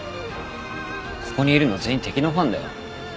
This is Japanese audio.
ここにいるの全員敵のファンだよ。